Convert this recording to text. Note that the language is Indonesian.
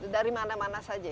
dari mana mana saja